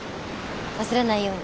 忘れないように。